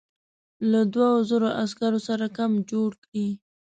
له دوو زرو عسکرو سره کمپ جوړ کړی.